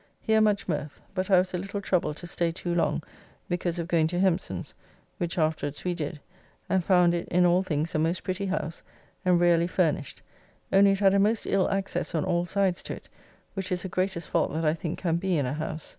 Here much mirth, but I was a little troubled to stay too long, because of going to Hempson's, which afterwards we did, and found it in all things a most pretty house, and rarely furnished, only it had a most ill access on all sides to it, which is a greatest fault that I think can be in a house.